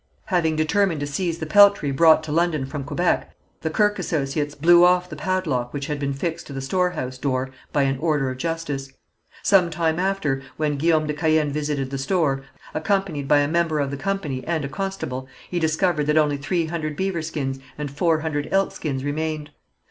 Having determined to seize the peltry brought to London from Quebec, the Kirke associates blew off the padlock which had been fixed to the storehouse door by an order of justice. Some time after, when Guillaume de Caën visited the store, accompanied by a member of the company and a constable, he discovered that only three hundred beaver skins and four hundred elk skins remained.